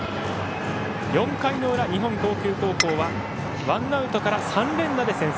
４回の裏、日本航空高校はワンアウトから、３連打で先制。